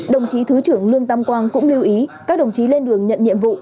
đồng chí thứ trưởng lương tam quang cũng lưu ý các đồng chí lên đường nhận nhiệm vụ